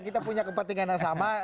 kita punya kepentingan yang sama